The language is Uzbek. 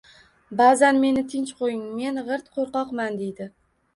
Ba’zan: “Meni tinch qo‘ying, men g‘irt qo‘rqoqman”, deydi.